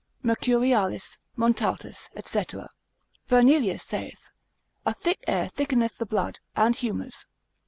Mercurialis, Montaltus, &c. Fernelius saith, A thick air thickeneth the blood and humours.